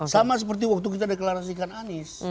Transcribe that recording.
sama seperti waktu kita deklarasikan anies